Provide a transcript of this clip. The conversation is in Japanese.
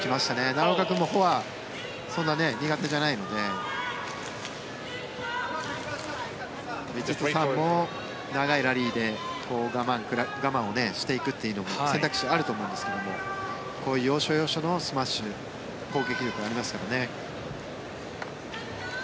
奈良岡君もフォアそんなに苦手じゃないのでヴィチットサーンも長いラリーで我慢をしていくというのも選択肢、あると思うんですがこの要所要所のスマッシュ攻撃力がありますからね。